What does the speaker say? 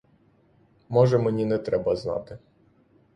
Може, мені не треба знати.